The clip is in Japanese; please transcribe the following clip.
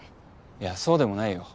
いやそうでもないよ。